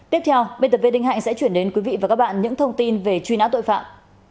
tiếp theo btv đinh hạnh sẽ chuyển đến quý vị và các bạn những thông tin về truy nã tội phạm